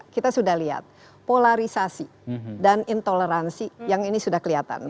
kita sudah lihat polarisasi dan intoleransi yang ini sudah kelihatan